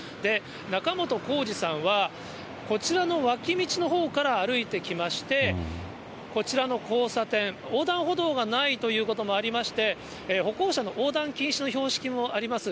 仲本工事さんは、こちらの脇道のほうから歩いてきまして、こちらの交差点、横断歩道がないということもありまして、歩行者の横断禁止の標識もあります。